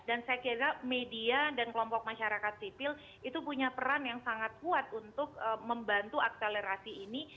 dan saya kira media dan kelompok masyarakat tipil itu punya peran yang sangat kuat untuk membantu akselerasi ini